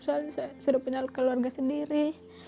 soalnya saya sudah punya keluarga sendiri